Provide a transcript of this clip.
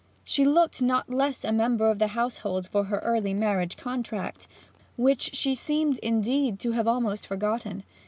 She looked not less a member of the household for her early marriage contract, which she seemed, indeed, to have almost forgotten.